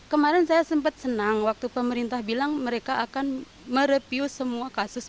kemarin saya sempat senang waktu pemerintah bilang mereka akan mereview semua kasus